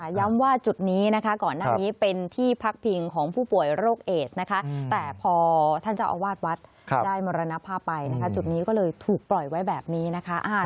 ย้ำว่าจุดนี้นะคะก่อนหน้านี้เป็นที่พักพิงของผู้ป่วยโรคเอสนะคะแต่พอท่านเจ้าอาวาสวัดได้มรณภาพไปนะคะจุดนี้ก็เลยถูกปล่อยไว้แบบนี้นะคะ